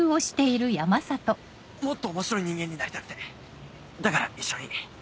もっと面白い人間になりたくてだから一緒に。